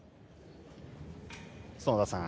園田さん